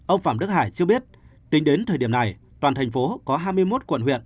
ông phạm đức hải cho biết tính đến thời điểm này toàn thành phố có hai mươi một quận huyện